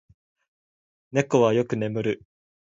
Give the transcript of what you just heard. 猫はよく眠る。